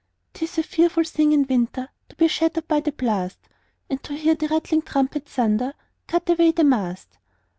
'Tis a fearful thing in winter To be shattered by the blast, And to hear the rattling trumpet Thunder, "Cut away the mast!"